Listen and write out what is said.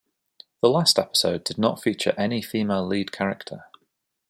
The last episode did not feature any female lead character.